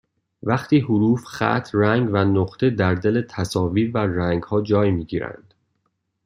وقتی حروف خط رنگ و نقطه در دل تصاویر و رنگها جای می گیرند